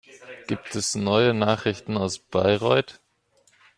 Gibt es neue Nachrichten aus Bayreuth?